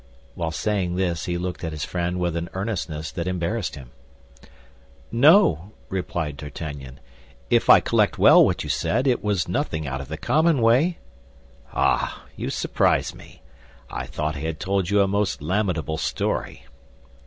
While saying this he looked at his friend with an earnestness that embarrassed him. "No," replied D'Artagnan, "if I recollect well what you said, it was nothing out of the common way." "Ah, you surprise me. I thought I had told you a most lamentable story."